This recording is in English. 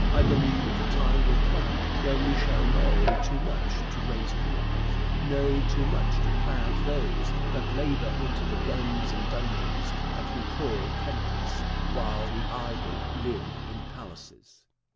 I believe the time will come when we shall know too much to raise criminals know too much to crowd those that labor into the dens and dungeons that we call tenements, while the idle live in palaces.